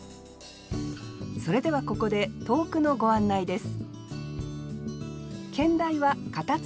それではここで投句のご案内です